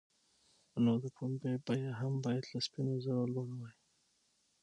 نو د پنبې بیه هم باید له سپینو زرو لوړه وای.